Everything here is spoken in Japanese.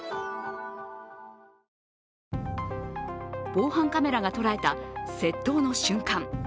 防犯カメラが捉えた窃盗の瞬間。